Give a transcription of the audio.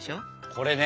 これね。